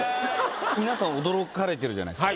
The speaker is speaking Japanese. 皆さん驚かれてるじゃないですか。